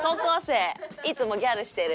いつもギャルしてる。